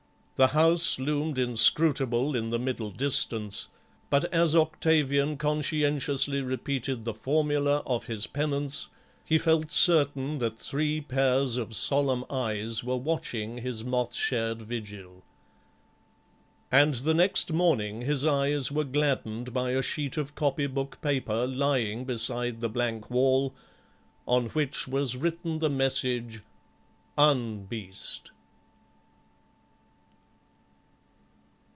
The house loomed inscrutable in the middle distance, but as Octavian conscientiously repeated the formula of his penance he felt certain that three pairs of solemn eyes were watching his moth shared vigil. And the next morning his eyes were gladdened by a sheet of copy book paper lying beside the blank wall, on which was written the message "Un Beast."